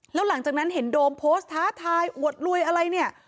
แล้วหลังจากนั้นเห็นโดมโพสต์ท้าทายอวดรวยอะไรเนี่ย